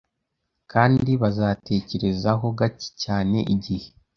kandi bazatekerezaho gake cyane igihe